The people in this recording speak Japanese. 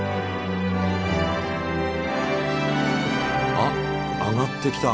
あっ上がってきた。